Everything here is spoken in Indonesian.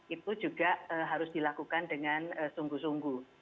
itu juga harus dilakukan dengan sungguh sungguh